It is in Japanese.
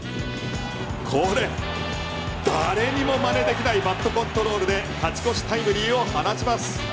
これ、誰にも真似できないバットコントロールで勝ち越しタイムリーを放ちます。